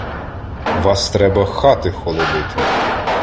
Вас треба хати холодити!